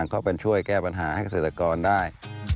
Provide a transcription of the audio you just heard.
เข้าไปช่วยแก้ปัญหาให้เกษตรกรได้